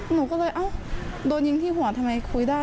หนูก็เลยเอ้าโดนยิงที่หัวทำไมคุยได้